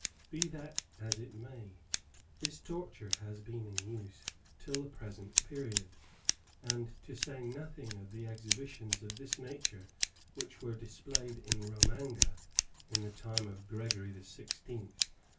Be that as it may, this torture has been in use till the present period; and, to say nothing of the exhibitions of this nature which were displayed in Romanga, in the time of Gregory 16th.